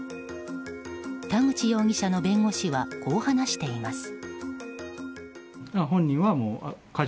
田口容疑者の弁護士はこう話しています。